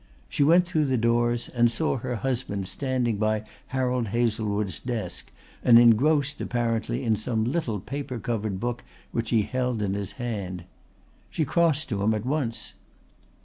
She went through the doors and saw her husband standing by Harold Hazlewood's desk, and engrossed apparently in some little paper covered book which he held in his hand. She crossed to him at once.